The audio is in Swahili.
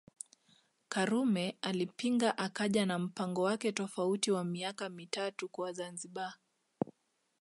Karume alipinga akaja na mpango wake tofauti wa miaka mitatu kwa Zanzibar